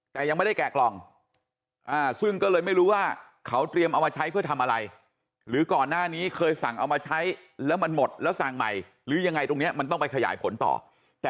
แต่ยังไม่ได้แกะกล่องซึ่งก็เลยไม่รู้ว่าเขาเตรียมเอามาใช้เพื่อทำอะไรหรือก่อนหน้านี้เคยสั่งเอามาใช้แล้วมันหมดแล้วสั่งใหม่หรือยังไงตรงนี้มันต้องไปขยายผลต่อแต่